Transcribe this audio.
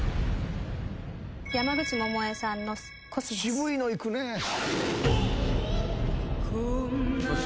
山口百恵さんの『秋桜』